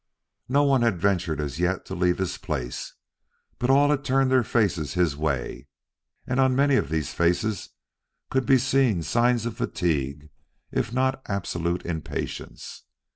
No one had ventured as yet to leave his place, but all had turned their faces his way, and on many of these faces could be seen signs of fatigue if not of absolute impatience.